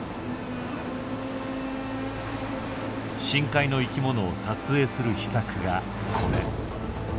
深海の生きものを撮影する秘策がこれ。